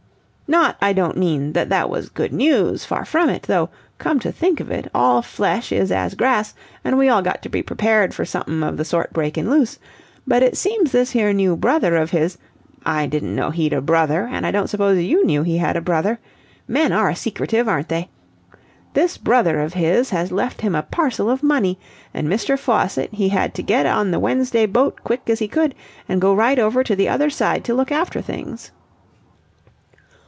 "Not, I don't mean, that that was good news, far from it, though, come to think of it, all flesh is as grass and we all got to be prepared for somep'n of the sort breaking loose...but it seems this here new brother of his I didn't know he'd a brother, and I don't suppose you knew he had a brother. Men are secretive, ain't they! this brother of his has left him a parcel of money, and Mr. Faucitt he had to get on the Wednesday boat quick as he could and go right over to the other side to look after things.